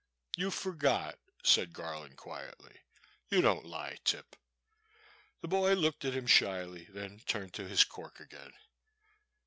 You forgot," said Garland, quietly, "you don't lie. Tip." The boy looked at him shyly, then turned to his cork again.